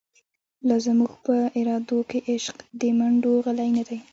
لازموږ په ارادوکی، عشق دمنډوغلی نه دی